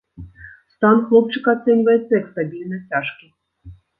Стан хлопчыка ацэньваецца як стабільна цяжкі.